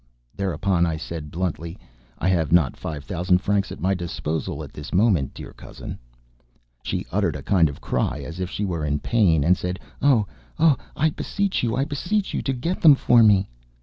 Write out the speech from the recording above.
Thereupon I said bluntly: "I have not five thousand francs at my disposal at this moment, my dear cousin." She uttered a kind of cry as if she were in pain and said: "Oh! oh! I beseech you, I beseech you to get them for me..."